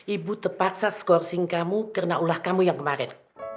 ibu terpaksa scoursing kamu karena ulah kamu yang kemarin